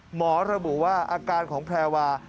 หมอระบุว่าอาการของแพรวา